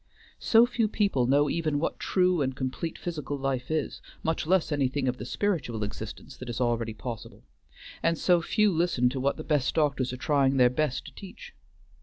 So few people know even what true and complete physical life is, much less anything of the spiritual existence that is already possible, and so few listen to what the best doctors are trying their best to teach.